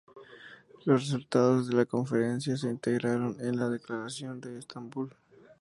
Los resultados de la conferencia se integraron en la Declaración de Estambul.